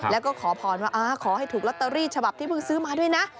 แล้วก็ขอพรว่าขอให้ถูกลอตเตอรี่ฉบับที่เพิ่งซื้อมาด้วยนะ